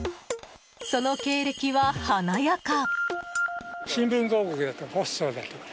その経歴は華やか！